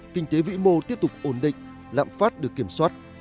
kinh tế vĩ mô tiếp tục ổn định lạm phát được kiểm soát